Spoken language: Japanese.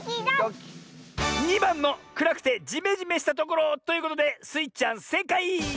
２ばんのくらくてジメジメしたところということでスイちゃんせいかい！